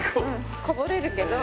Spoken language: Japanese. こぼれるけど。